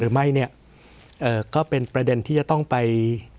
หรือไม่เนี่ยก็เป็นประเด็นที่จะต้องไป